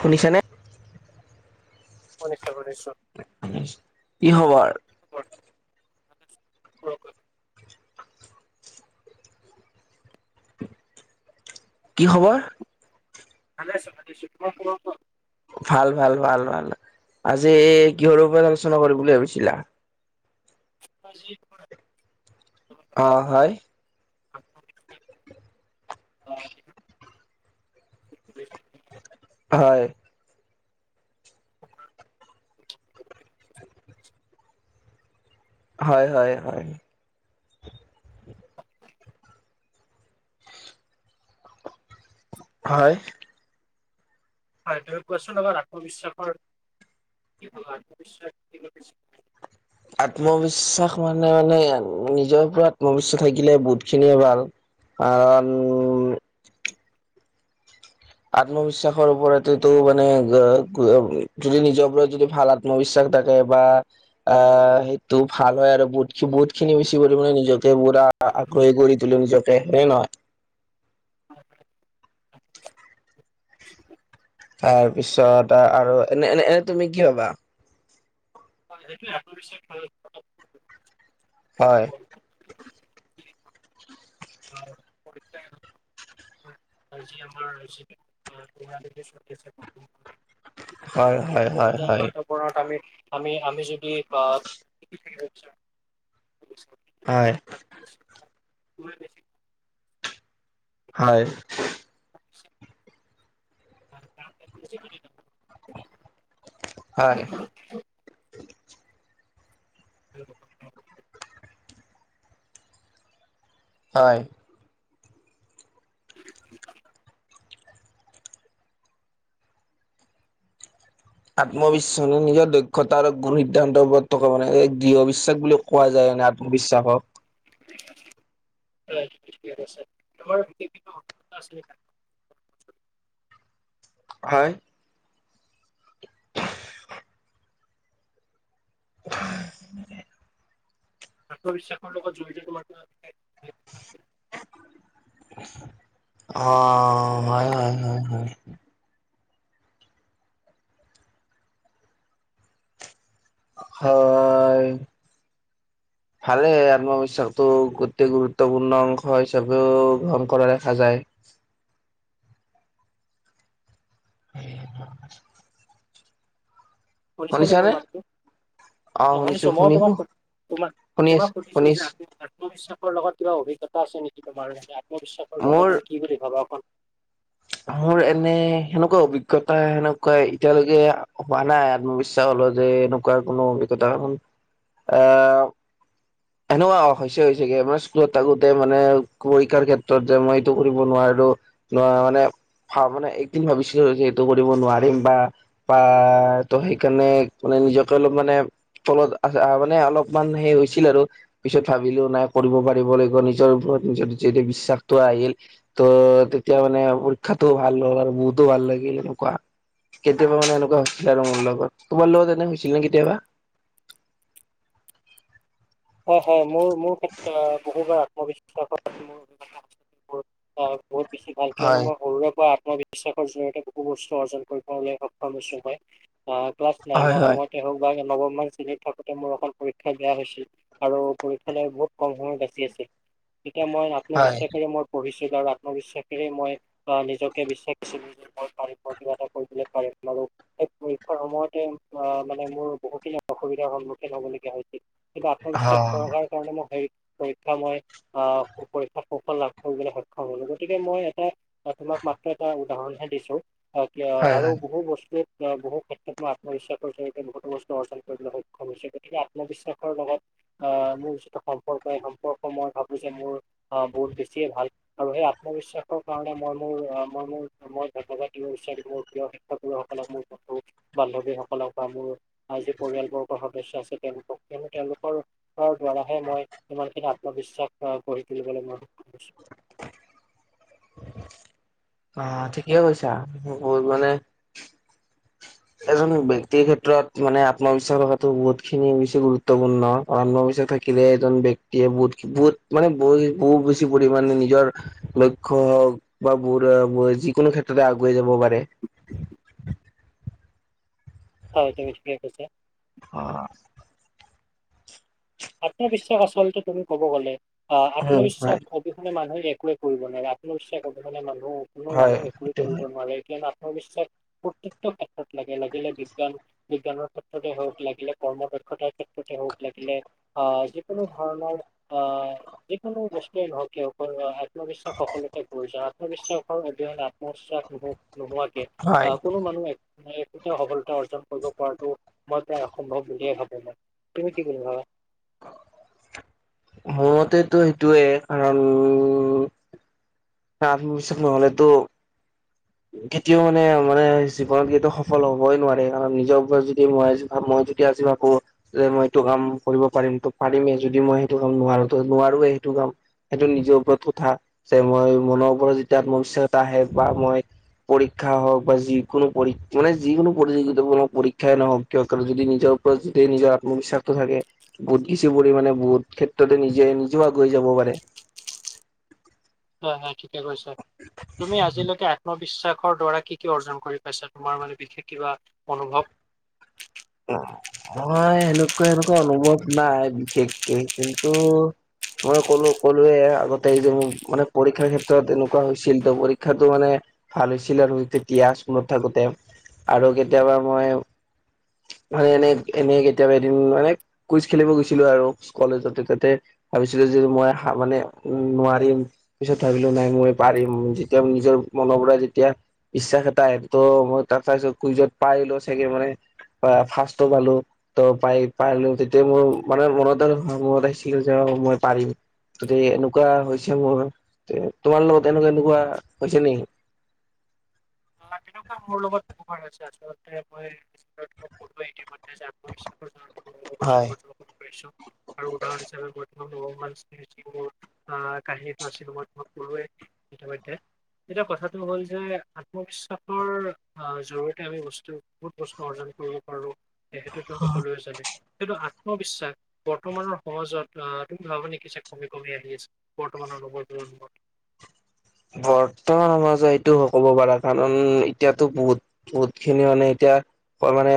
শুনিছানে? শুনিশ্চয় শুশ্চয়- কি খবৰ? [unintelligible] কি খবৰ? ভালে আছো ভালে আছো তোমাৰ খবৰ কোৱা? ভাল ভাল ভাল ভাল আজি কিহৰ ওপৰত আলোচনা কৰিম বুলি ভাবিছিলা? [unintelligible] অ হয়। [unintelligible] [unintelligible] হয়। [unintelligible] হয় হয় হয়। হয়। হয় তুমি কোৱাচোন এবাৰ আত্মবিশ্বাসৰ কি হ'ল আত্মবিশ্বাস আত্মবিশ্বাস মানে মানে নিজৰ পৰা ক্লচ থাকিলে বহুতখিনিয়ে ভাল। আহ উম আত্মবিশ্বাসৰ ওপৰতো মানে যদি নিজৰ ওপৰত যদি ভাল আত্মবিশ্বাস - থাকে বা আহ সেইটো ভাল হয় আৰু বহুত বহুত খিনি বেছি কৰিবলৈ নিজকে পোৰা আগ্ৰহী কৰি তোলে নিজকে হয় নে নহয়? [inaudible] তাৰপিছত আৰু এনে এনে এ তুমি কি ভাবা? অ এইটোৱে আত্মবিশ্বাস হয়। [unintelligible] আজি আমাৰ। হয় হয় হয় ৰ্থপৰত আমি আমি আমি যদি আ হয়। [unintelligible] হয়। [inaudible] [unintelligible] হয়। [unintelligible] হয়। [inaudible] আত্মবিশ্বাস মানে নিজৰ দক্ষতা আৰু গুৰু সিদ্ধান্তৰ ওপৰত থকা মানে দৃঢ় বিশ্বাস বুলি কোৱা যায়। মানে আত্মবিশ্বাসক। [unintelligible] [inaudible] হয়। [unintelligible] আত্মবিশ্বাসৰ লগত জড়িত তোমাৰ অ হয় হয় হয়। হয়। [inaudible] ভালেই আত্মবিশ্বাসটো অতি গুৰুত্বপূৰ্ণ অংশ হিচাপেও গ্ৰহণ কৰা দেখা যায়। [inaudible] [unintelligible] শুনিছা নে মোৰ শুনিছানে মাতটো? অ শুনিছো মই তোমাক তোমাক আছো তোমাক সুধিছো শুনি যে আছো আত্মবিশ্বাসৰ লগত কিবা অভিজ্ঞতা আছে নেকি, তোমাৰ আত্মবিশ্বাসৰ মোৰ বিষয় তুমি কি বুলি ভাবা অকণ মোৰ এনে সেনেকুৱা অভিজ্ঞতা সেনেকুৱা এতিয়ালৈকে হোৱা নাই আত্মবিশ্বাসৰ যে এনেকোৱা কোনো অভিজ্ঞতা আ হেনে কোৱা হৈছে হৈছে গে মই স্কুলত থাকোতে মানে পৰীক্ষাৰ ক্ষেত্ৰত যে মই এইটো কৰিব নোৱা- ৰো নোৱা মানে ভা মানে এইদিন ভাবিছিলো যে এইটো কৰিব নোৱাৰিম বা বা ত সেইকাৰণে মানে নিজকে অলপ মানে তলত আ মানে অলপমান সেই হৈছিল আৰু পিছত ভাবিলো নাই কৰিব পাৰিব লাগিব। নিজৰ ওপৰ- যেদি যেদি বিশ্বাসটো আহিল ত তেতিয়া মানে পৰী- ক্ষাটো ভাল হল আৰু বহুতো ভাল লাগিল এনেকুৱা। কেতিয়াবা মানে এনেকুৱা হৈছিলে আৰু মোৰ লগত তোমাৰ লগত এনে হৈছিল নে কেতিয়াবা? [inaudible] হয় হয় মোৰ মোৰ ক্ষেত্ৰত বহুবাৰ আত্মবিশ্বাস হয় মোৰ বহুত বেছি ভাল কিয়নো হয় মই সৰুৰে পৰা মই বিশ্বাসৰ জৰিয়তে বহু বস্তু অৰ্জন কৰিবলৈ সক্ষম হৈছো মই। অ ক্লাছ হয় নাইনৰ হয় সময়তে হওক বা নৱমমান শ্ৰেণীত থাকোতে মোৰ এখন পৰীক্ষা বেয়া হৈছিল। আৰু পৰীক্ষালৈ বহুত কম সময় বাচি আছিল তেতিয়া মই আত্মবিশ্বাসেৰে মই পঢ়িছ- আৰু আত্মবিশ্বাসেৰেই মই অ নিজকে বিশ্বাস দিছিলো যে মই পাৰিম মই কিবা এটা কৰিবলৈ পাৰিম। পৰীক্ষাৰ সময়তে অ মানে মোৰ বহুখিনি অসুবিধাৰ সন্মুখীন হবলগীয়া হৈছিল। অ বিশ্বাস থকাৰ কাৰণে মই হেৰি পৰীক্ষা মই আহ পৰীক্ষাত সুফল লাভ কৰিবলৈ সক্ষম হলো। গতিকে মই এটা তোমাক মাত্ৰ এটা উদাহৰণ হে দিছো অ হয় হয় আৰু বহু বস্তুৱে বহু ক্ষেত্ৰত মই আত্মবিশ্বাসৰ জৰিয়তে বহুতো বস্তু অৰ্জন কৰিবলৈ সক্ষম হৈছে। গতিকে আত্মবিশ্বাসৰ লগত অ মোৰ যিটো সম্পৰ্ক এই সম্পৰ্ক মই ভাবো যে মোৰ আহ বহুত বেছিয়ে ভাল আৰু সেই আত্মবিশ্বাসৰ কাৰণে মই মোৰ মই মোৰ মই ধন্যবাদ দিব বিচাৰিম মোৰ প্ৰিয় শিক্ষাগুৰুসকলক মোৰ বান্ধৱীসকলক বা মোৰ যি পৰিয়াল বৰ্গৰ সদস্য আছে তেওঁলোকক কিয়নো তেওঁলোকৰ দোৱাৰাহে মই ইমানখিনি আত্মবিশ্বাস গঢ়ি তুলিবলৈ মই সক্ষম হৈছো। [inaudible] আহ ঠিকে কৈছা বহু মানে এজন ব্যক্তিৰ ক্ষেত্ৰত মানে আত্মবিশ্বাস থকাটো বহুত খিনি বেছি গুৰুত্বপূৰ্ণ আত্মবিশ্বাস থাকিলে এজন ব্যক্তিয়ে বহুত বহুত মানে বহু বহুত বেছি পৰিমাণে নিজৰ লক্ষ্য হওক বা [unintelligible] যিকোনো ক্ষেত্ৰতে আগুৱাই যাব পাৰে। [inaudible] হয় তুমি ঠিকেই কৈছা। অ'। আত্মবিশ্বাস আচলতে তুমি ক'ব গলে আ উম আত্মবিশ্বাস হয় অবিহনে মানহূৰ এক একোৱে কৰিব নোৱাৰে আত্ম বিশ্বাস অবিহনে মানহূ কোনো হয় মানহূ একোয়ে সেইটো কৰিব হয় নোৱাৰে। [unintelligible] ভৱিষ্যত প্ৰট্টীতো ক্ষেত্ৰত লাগে লাগিলে বিজ্ঞান বিজ্ঞানৰ ক্ষেত্ৰতে হওক, লাগিলে কৰ্ম দক্ষতাৰ ক্ষেত্ৰতে হওক, লাগিলে আ যিকোনো ধৰণৰ আ যিকোনো বস্তুৱেই নহওক কিয় [unintelligible] আত্মবিশ্বাস সকলো [unintelligible] আত্মবিশ্বাসৰ অবিহনে আত্মবিশ্বাস নোহো - নোহোৱাকে হয় আ কোনো মানুহ এক একোতে সফলতা অৰ্জন কৰিব পৰাটো মই প্ৰায় অসম্ভৱ বুলিয়ে ভাবো মই। তুমি কি বুলি ভাবা? মোৰ মতেটো সিটোৱে কাৰণ আত্মবিশ্বাস নহলেতো কেতিয়াও মানে - মানে জীৱনত কেতিয়াও সফল হবই নোৱাৰে কাৰণ নিজৰ ওপৰত যদি মই [unintelligible] যদি আজি ভাবো যে মই এইটো কাম কৰিব পাৰিম ত' পাৰিমে, যদি মই সেইটো কাম নোৱাৰো ত' নোৱাৰোৱে। সেইটো টো কাম সেইটো নিজৰ ওপৰত কথা, যে মই মনৰ ওপৰত যেতিয়া আত্মবিশ্বাস এটা আহে বা মই পৰীক্ষা হওক বা যিকোনো পৰি মানে যিকোনো প্ৰতিযোগিতা মূলক পৰীক্ষাই নহওক কিয় যদি নিজৰ ওপৰত যদি নিজৰ আত্মবিশ্বাসটো থাকে বহুত কিছু পৰিমাণে বহুত ক্ষেত্ৰতে নিজে নিজেও আগুৱাই যাব পাৰে। হয় হয়, ঠিকে কৈছা। তুমি আজিলৈকে আত্মবিশ্বাস সৰ দ্বাৰা কি কি অৰ্জন কৰি পাইছা? তোমাৰ মানে বিশেষ কিবা অনুভৱ? মই এনেকুৱা এনেকুৱা অনুভৱ নাই বিশেষকে কিন্তু মই ক'লো ক'লোৱে আগতে এই যে মোৰ মানে পৰীক্ষাৰ ক্ষেত্ৰত এনেকুৱা হৈছিল ত' পৰীক্ষাটো মানে ভাল হৈছিল আৰু তেতিয়া স্কুলত থাকোতে আৰু কেতিয়াবা মই [inaudible] মানে এনে - এনেই কেতিয়াবা এদিন মানে কুইজ খেলিব গৈছিলোঁ আৰু কলেজতে তাতে ভাবিছিলোঁ যে মই হা মানে উ নোৱাৰিম, পিছত ভাবিলো নাই মই পাৰিম যেতিয়া নিজৰ মনৰ পৰা ৰা যেতিয়া বিশ্বাস এটা আহে ত' মই তাত চাইছো কুইজত পাই গেলো চেকে মানে বা ফাৰ্ষ্টো পালো। ত' পাই - পালো, তেতিয়া মোৰ মানে মনত আৰু মনত আহিছিলে যে মই পাৰিম। [unintelligible] এনেকুৱা হৈছে মোৰ তে তোমাৰ লগত এনেকুৱা এনেকুৱা হৈছে নেকি? [inaudible] [unintelligible] মোৰ লগত বহুবাৰ হৈছে আচলতে মই স্কুলত [unintelligible] আত্মবিশ্বাসৰে [unintelligible] বহু বস্তু হয় অৰ্জন কৰিব পাৰিছোঁ আৰু উদাহৰণ হিচাপে মই [unintelligible] কাহিনীটো আছিলো মই তোমাক কলুয়েই ইতিমধ্যে। এতিয়া কথাটো হ'ল যে আত্মবিশ্বাসৰ অ জৰিয়তে আমি বস্তুতো বহুত বস্তু অৰ্জন কৰিব পাৰোঁ। সেইটোতো সকলোৱে জানে কিন্তু আত ত্মবিশ্বাস বৰ্তমানৰ সমাজত আ তুমি ভাৱা নেকি যে কমি কমি আহি আছে বৰ্তমানৰ সময়বোৰত? [unintelligible] বৰ্তমান সমাজত এইটো হ ক'ব পাৰা কাৰণ এতিয়াতো বহুত - বহুত খিনি মানে এতিয়া কয় মানে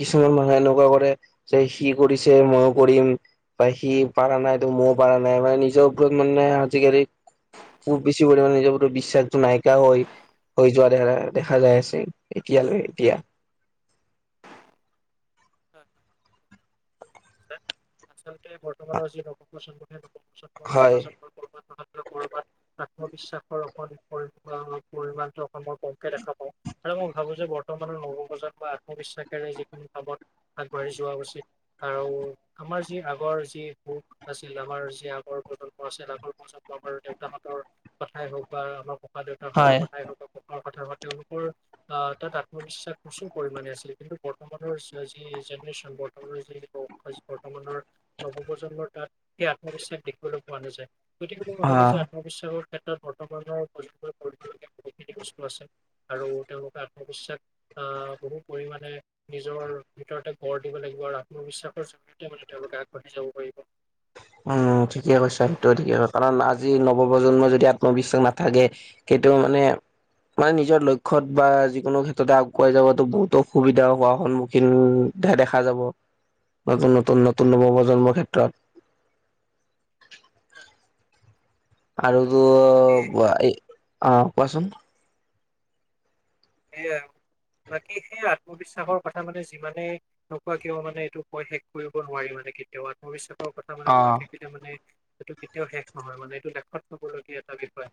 কিছুমান মানুহে এনেকুৱা কৰে যে সি কৰিছে ময়ো কৰিম। বা সি পাৰা নাই তো মইয়ো পাৰা নাই মানে নিজৰ ওপৰত মানে আজিকালি [unintelligible] [unintelligible] নিজৰ ওপৰত বিশ্বাসটো নাইকীয়া হৈ হৈ যোৱা দে - দেখা যাই আছে এতিয়ালৈ এতিয়া। [inaudible] আচলতে বৰ্তমানৰ যি নৱপ্ৰজন্ম [unintelligible] [unintelligible] হয়। মাজত মই কৰবাত নহয় কৰবাত আত্মবিশ্বাসৰ অকণ পৰি - অ - পৰিমাণটো অকণ মই কমকে দেখা পাওঁ। আৰু মই ভাবো যে বৰ্তমানৰ নৱপ্ৰজন্ম আত্মবিশ্বাসেৰে যিকোনো কামত আগবাঢ়ি যোৱা উচিত। আৰু আমাৰ যি আগৰ যি সুখ আছিল আমাৰ যি আগৰ প্ৰজন্ম আছিল আগৰ প্ৰজন দেউতাহতৰ কথাই হওক বা আমাৰ ককা দেউতাহতক কথাই হওক বা ককা কথা বা তেওঁলোকৰ আ তাত আত্মবিশ্বাস প্ৰচুৰ পৰিমণে আছিল কিন্তু বৰ্তমানৰ যি জেনেৰেশ্বন বৰ্তমানৰ যি বৰ্তমানৰ নৱপ্ৰজন্মৰ তাত সেই আত্মবিশ্বাস দেখিবলৈ পোৱা নাযায় গতিকে মই ভাবো অ', যে আত্মবিশ্বাসৰ ক্ষেত্ৰত বৰ্তমানৰ প্ৰজন্মই [unintelligible] ক্ষতিগস্ত আছে আৰু তেওঁলোকে আত্মবিশ্বাস আ বহু পৰিমাণে নিজৰ ভিতৰতে গঢ় দিব লাগিব আৰু আত্মবিশ্বাসৰ জৰিয়তে মানে তেওঁলোকে আগবাঢ়ি যাব পাৰিব। উম ঠিকে কৈছা তই ঠিকে কৈছ কাৰণ আজি নৱপ্ৰজন্মই যদি আত্মবিশ্বাস নাথাকে এইটো মানে মানে নিজৰ লক্ষ্যত বা যিকোনো ক্ষেত্ৰতে আগুৱাই যাবাতো বহুত অসুবিধা হোৱাৰ সন্মুখীন দেখা যাব নতুন নতুন নতুন নৱ প্ৰজন্মৰ ক্ষেত্ৰত [unintelligible] [unintelligible] আৰু তো তাকে অ কোৱাচোন সেই আৰু বাকী সেই আত্মবিশ্বাসৰ কথা মানে যিমানে নোকোৱা কিয় মানে এইটো কৈ শেষ কৰিব নোৱাৰি মানে বিশেষকে আত্মবিশ্বাস কথা মানে অ কৈ থাকিলে মানে এইটো কেতিয়াও শেষ নহয় মানে এইটো লেখত থবলগীয়া এটা বিষয়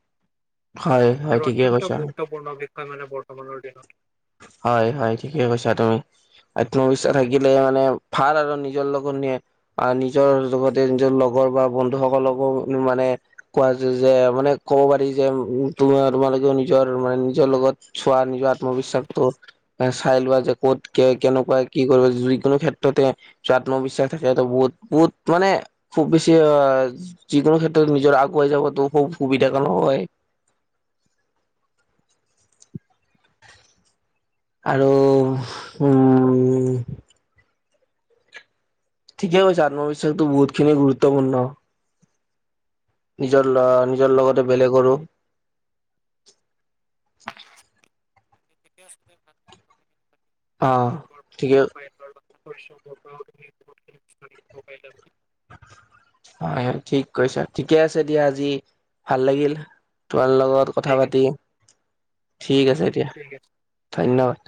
হয় হয় ঠিকেই কৈছা। হয়, মানে বৰ্তমানৰ দিনত হয় হয় ঠিকেই কৈছা তুমি আত্মবিশ্বাস থাকিলে মানে ভাল আৰু নিজৰ লগন নে আৰু নিজৰ লগতে নিজৰ লগত বা বন্ধুসকলকো মানে কোৱা য-যে মানে ক'ব পাৰি যে তোমাৰ মানে মোৰ নিজৰ মানে নিজৰ লগত চোৱা নিজৰ আত্মবিশ্বাস চাই লোৱা যে ক'ত কেনেকুৱা কি কৰিবা, যিকোনো ক্ষেত্ৰতে আত্মবিশ্বাস থাকে য'ত বহুত বহুত মানে খুব বেছি অ' যিকোনো ক্ষেত্ৰত নিজৰ আগুৱাই যাবো খুব সুবিধা কানো হয়। [inaudible] আৰু উম' ঠিকেই কৈছে আত্মবিশ্বাসটো বহুতখিনি গুৰুত্বপূৰ্ণ। নিজৰ নিজৰ লগতে বেলেগৰো [inaudible] অ' তোমাৰ পৰা- ঠিকে। তোমাৰ পৰা- [unintelligible] হয় হয় ঠিক কৈছা, ঠিকে আছে দিয়া আজি ভাল লাগিল। তাৰ লগত কথা ঠিক আছে। পাতি ঠিক আছে এতিয়া ঠিক আছে। ধন্যবাদ।